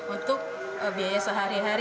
untuk biaya sehari hari